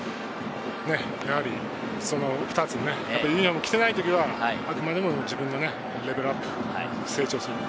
やはりその２つ、あのユニホームを着ていない時はあくまでは自分のレベルアップ、成長する。